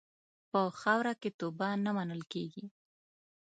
په خاوره کې توبه نه منل کېږي.